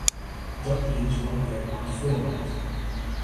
Dat begjint dus allegear mei it foarlêzen.